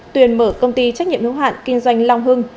tuyền mở công ty trách nhiệm hữu hạn kinh doanh long hưng